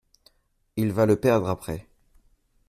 Il va le perdre après.